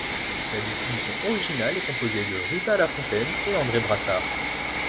La distribution originale est composée de Rita Lafontaine et André Brassard.